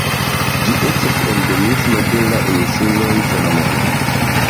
Ĝi estas endemismo de la insuloj Salomonoj.